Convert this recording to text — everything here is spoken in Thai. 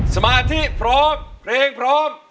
สมาธิพร้อมเพลงพร้อม